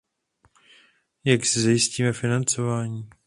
Jak zajistíme financování?